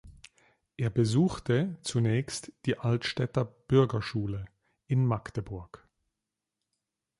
Er besuchte zunächst die Altstädter Bürgerschule in Magdeburg.